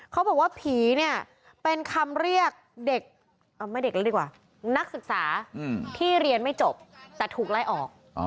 เขาบอกว่าผีเนี่ยเป็นคำเรียกเด็กเอาไม่เด็กแล้วดีกว่านักศึกษาที่เรียนไม่จบแต่ถูกไล่ออก